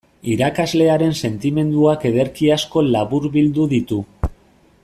Irakaslearen sentimenduak ederki asko laburbildu ditu.